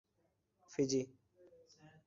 Fiji